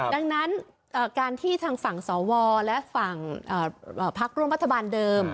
ดังนั้นการที่ทางฝั่งสวและฝั่งพักร่วมรัฐบาลเดิม